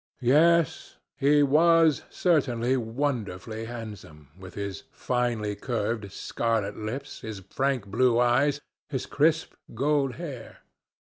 Yes, he was certainly wonderfully handsome, with his finely curved scarlet lips, his frank blue eyes, his crisp gold hair.